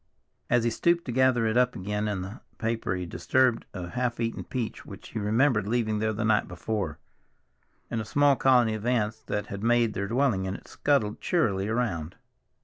As he stooped to gather it up again in the paper he disturbed a half eaten peach which he remembered leaving there the night before, and a small colony of ants that had made their dwelling in it scuttled cheerily around.